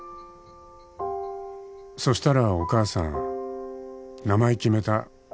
「そしたらお母さん『名前決めた。